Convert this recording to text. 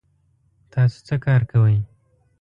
تاسو څه کار کوئ؟